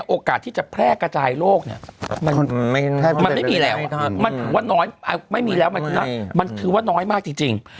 โอกาสที่จะแพร่กระจายโรคมันคือว่าน้อยมากจริง